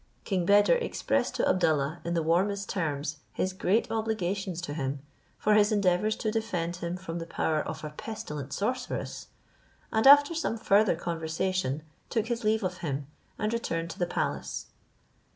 King Beder expressed to Abdallah, in the warmest terms, his great obligations to him, for his endeavours to defend him from the power of a pestilent sorceress; and after some further conversation took his leave of him, and returned to the palace.